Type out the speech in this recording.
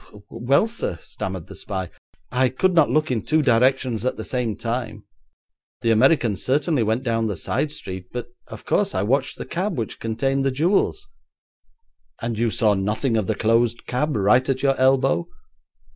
'Well, sir,' stammered the spy, 'I could not look in two directions at the same time. The American certainly went down the side street, but of course I watched the cab which contained the jewels.' 'And you saw nothing of the closed cab right at your elbow?'